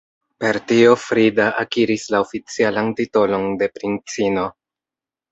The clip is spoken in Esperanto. Per tio Frida akiris la oficialan titolon de princino.